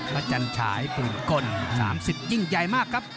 พระจันทรายปุ่นกล๓๐ยิ่งใหญ่มากครับ